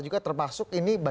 untuk bisa menaikkan nilai tawar